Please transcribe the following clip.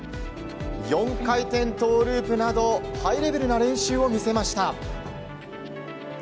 ４回転トウループなどハイレベルな練習を見せました。